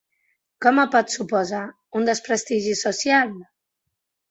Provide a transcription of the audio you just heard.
Què em pot suposar: un desprestigi social?